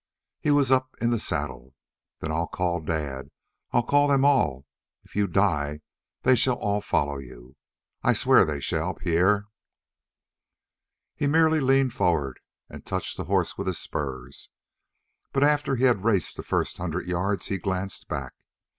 He was up in the saddle. "Then I'll call dad I'll call them all if you die they shall all follow you. I swear they shall. Pierre!" He merely leaned forward and touched the horse with his spurs, but after he had raced the first hundred yards he glanced back.